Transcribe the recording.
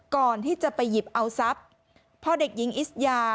ก่อนที่จะไปหยิบเอาทรัพย์พ่อเด็กหญิงอิสยา